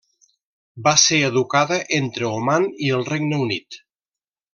Va ser educada entre Oman i el Regne Unit.